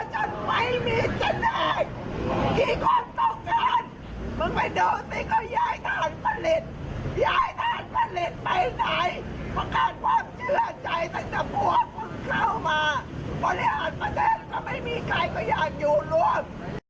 เจ้าหน้าที่เข้ามาบริหารประเทศก็ไม่มีใครบริหารอยู่รวม